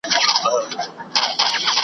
خو ملاتړ یې ځکه کوم چي .